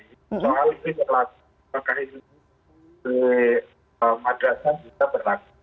soal ini berlaku maka ini ke madrasah juga berlaku